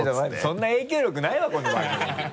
そんな影響力ないわこの番組に。